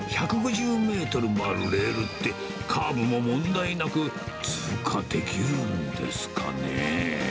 １５０メートルもあるレールって、カーブも問題なく通過できるんですかね。